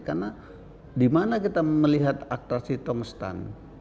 karena di mana kita melihat atraksi tong setan